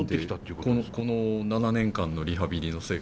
この７年間のリハビリの成果ですね。